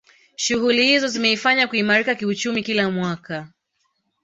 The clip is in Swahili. Shughuli hizo zimeifanya kuimarika kiuchumi kila mwaka